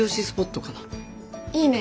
いいね。